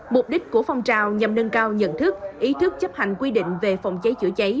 mục đích của phong trào nhằm nâng cao nhận thức ý thức chấp hành quy định về phòng cháy chữa cháy